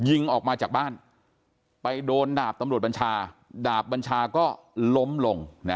ยิงออกมาจากบ้านไปโดนดาบตำรวจบัญชาดาบบัญชาก็ล้มลง